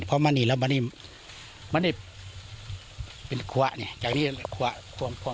ผมมานี่แล้วมานี่มานี่เป็นขวะเนี้ยจากนี้ขวะขว่ามขว่าม